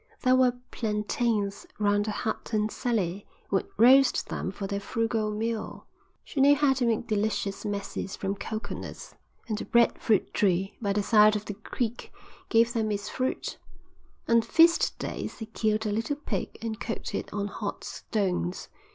There were plantains round the hut and Sally would roast them for their frugal meal. She knew how to make delicious messes from coconuts, and the bread fruit tree by the side of the creek gave them its fruit. On feast days they killed a little pig and cooked it on hot stones.